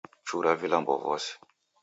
Chura vilambo vose